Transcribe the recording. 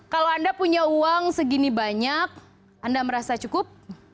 kalau anda punya uang segini banyak anda merasa cukup